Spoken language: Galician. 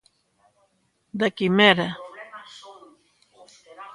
Da quimera.